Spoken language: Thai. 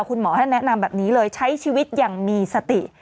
คุณหมอท่านแนะนำแบบนี้เลยใช้ชีวิตอย่างมีสติ